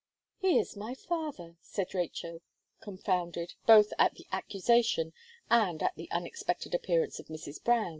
"He is my father," said Rachel, confounded, both at the accusation, and at the unexpected appearance of Mrs. Brown.